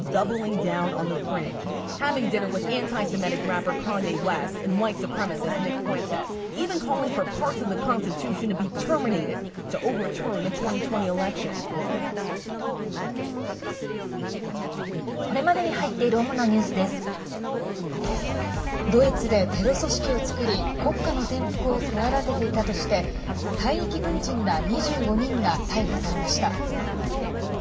ドイツでテロ組織を作り国家の転覆を企てていたとして退役軍人ら２５人が逮捕されました。